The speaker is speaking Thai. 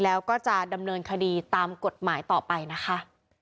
แล้วก็จะดำเนินคดีตามกฎหมายต่อไปนะคะ